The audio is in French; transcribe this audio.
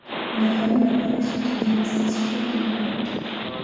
La famine apparaît suite aux dévastations des Lombards.